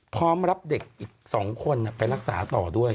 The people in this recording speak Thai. พร้อมรับเด็กอีก๒คนไปรักษาต่อด้วย